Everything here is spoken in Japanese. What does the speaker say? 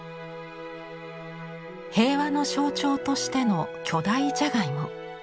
平和の象徴としての巨大じゃがいも。